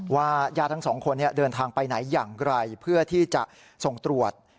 ญาติทั้งสองคนเดินทางไปไหนอย่างไรเพื่อที่จะส่งตรวจ